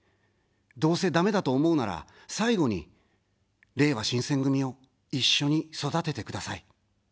どうせダメだと思うなら、最後に、れいわ新選組を一緒に育ててください。